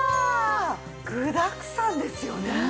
具だくさんですよね。